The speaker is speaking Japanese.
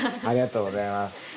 ありがとうございます。